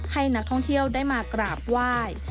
ให้นักท่องเที่ยวได้มากราบไหว้